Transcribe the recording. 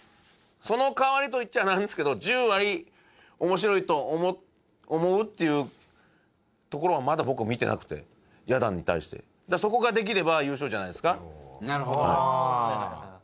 その代わりといっちゃ何ですけど１０割面白いと思うっていうところはまだ僕は見てなくてや団に対してそこができれば優勝じゃないですか？